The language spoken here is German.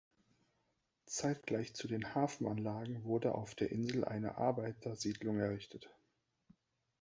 Zeitgleich zu den Hafenanlagen wurde auf der Insel eine Arbeitersiedlung errichtet.